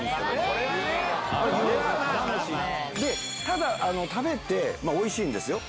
ただ食べておいしいんですよ。